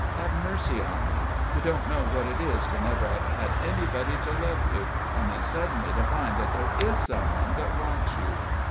Have mercy on me! You don't know what it is to never have had anybody to love you, and then suddenly to find that there is some one that wants you!"